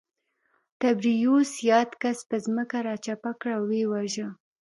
تبریوس یاد کس پر ځمکه راچپه او ویې واژه